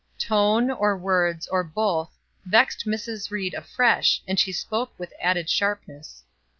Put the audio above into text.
Tone, or words, or both, vexed Mrs. Ried afresh, and she spoke with added sharpness.